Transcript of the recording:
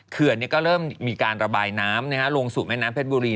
เขื่อนก็เริ่มมีการระบายน้ำลงสู่แม่น้ำเพชรบุรี